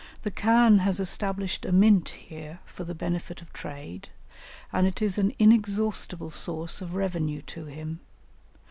The khan has established a mint here for the benefit of trade, and it is an inexhaustible source of revenue to him.